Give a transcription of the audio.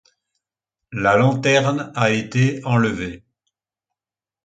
La lanterne a été enlevé.